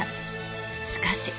しかし。